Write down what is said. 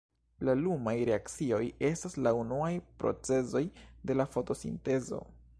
La lumaj reakcioj estas la unuaj procezoj de la fotosintezo.